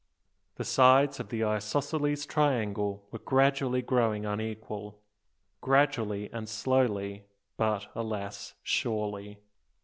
The sides of the isosceles triangle were gradually growing unequal, gradually and slowly, but, alas! surely.